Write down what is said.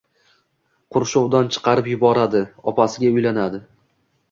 Qurshovdan chiqarib yuboradi, opasiga uylanadi…